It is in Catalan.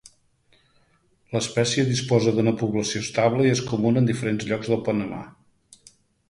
L'espècie disposa d'una població estable i és comuna en diferents llocs del Panamà.